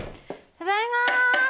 ただいま。